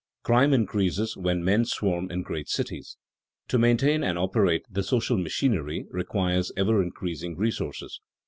Crime increases when men swarm in great cities. To maintain and operate the social machinery requires ever increasing resources.